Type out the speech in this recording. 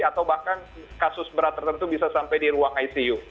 atau bahkan kasus berat tertentu bisa sampai di ruang icu